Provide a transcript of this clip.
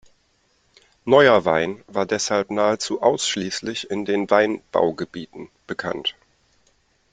Neuer Wein war deshalb nahezu ausschließlich in den Weinbaugebieten bekannt.